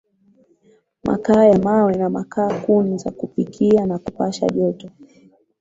makaa ya mawe na makaa kuni za kupikia na kupasha joto